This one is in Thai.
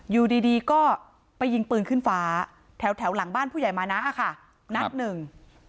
อยู่ดีดีก็ไปยิงปืนขึ้นฟ้าแถวหลังบ้านผู้ใหญ่มานะค่ะนัดหนึ่ง